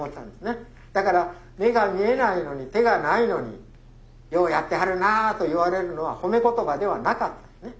だから「目が見えないのに手がないのにようやってはるなあ」と言われるのは褒め言葉ではなかった。